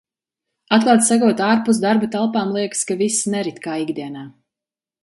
Atklāti sakot, ārpus darba telpām liekas, ka viss nerit kā ikdienā.